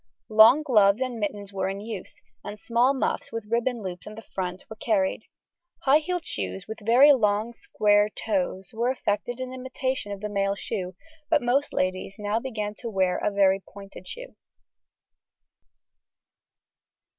Long gloves and mittens were in use, and small muffs with ribbon loops on the front were carried. High heeled shoes with very long square toes were affected in imitation of the male shoe, but most ladies now began to wear a very pointed shoe.